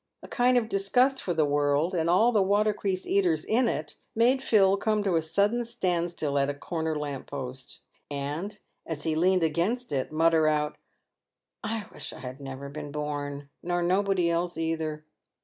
A kind of disgust for the world, and all the water cress eaters in it, made Phil come to a sudden stand still at a corner lamp post, and, as he leaned against it, mutter out, " I wish I had never been born, nor nobody else neither."